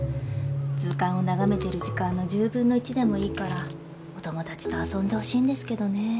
図鑑を眺めてる時間の１０分の１でもいいからお友達と遊んでほしいんですけどね。